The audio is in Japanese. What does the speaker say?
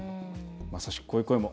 まさしく、こういう声も。